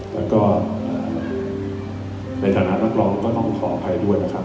แล้วก็ในฐานะนักร้องก็ต้องขออภัยด้วยนะครับ